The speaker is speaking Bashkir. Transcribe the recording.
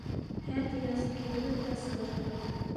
«Һә» тигәнсе кибенеп тә сығырһығыҙ!